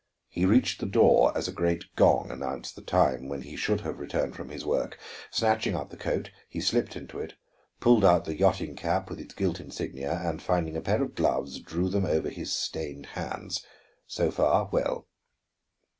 He reached the door as a great gong announced the time when he should have returned from his work. Snatching up the coat, he slipped into it, pulled out the yachting cap with its gilt insignia, and finding a pair of gloves, drew them over his stained hands. So far well!